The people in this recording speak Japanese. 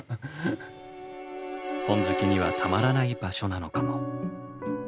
本好きにはたまらない場所なのかも。